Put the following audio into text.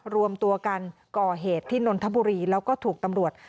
รวมตัวกันก่อเหตุที่นนทบุรีแล้วก็ถูกตำรวจ